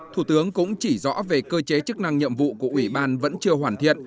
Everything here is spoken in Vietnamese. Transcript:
thủ tướng cũng chỉ rõ về cơ chế chức năng nhiệm vụ của ủy ban vẫn chưa hoàn thiện